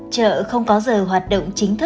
chợ không có giờ hoạt động